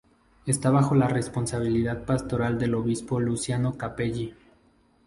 Esta bajo la responsabilidad pastoral del obispo Luciano Capelli.